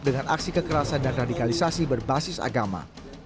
dengan aksi kekerasan dan radikalisasi berbasis agama